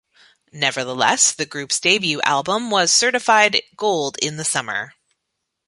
Nevertheless, the group's debut album was certified Gold in the summer.